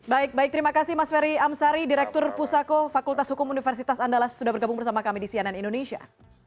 baik baik terima kasih mas ferry amsari direktur pusako fakultas hukum universitas andalas sudah bergabung bersama kami di cnn indonesia